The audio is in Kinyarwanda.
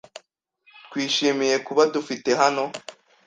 Twishimiye kuba dufite hano.